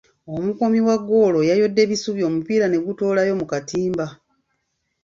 Omukuumi wa ggoolo yayodde bisubi omupiira ne gutoolayo mu katimba.